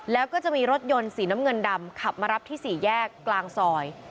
แล้วก็จะมีรถยนต์สีน้ำเงินดำขับมารับที่๔แยกกลางซอย